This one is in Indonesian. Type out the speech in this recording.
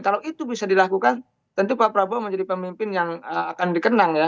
kalau itu bisa dilakukan tentu pak prabowo menjadi pemimpin yang akan dikenang ya